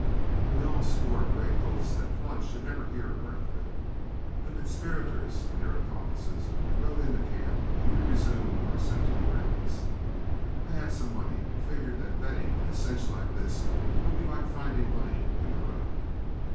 We all swore great oaths that Flood should never hear a breath of it. The conspirators and their accomplices rode into camp, and we resumed our sentinel rounds. I had some money, and figured that betting in a cinch like this would be like finding money in the road.